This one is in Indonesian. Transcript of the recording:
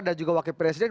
dan juga wakil presiden